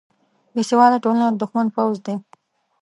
بیسواده ټولنه د دښمن پوځ دی